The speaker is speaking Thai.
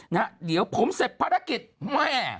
นะผมเสร็จภารกิจแม่